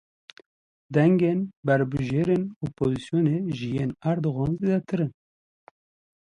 Dengên berbijêrên opozîsyonê ji yên Erdogan zêdetir in.